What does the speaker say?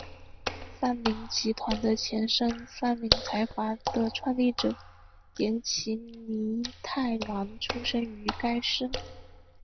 三菱集团的前身三菱财阀的创立者岩崎弥太郎出身于该市。